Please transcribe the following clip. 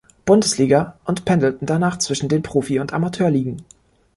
Bundesliga und pendelten danach zwischen den Profi- und Amateurligen.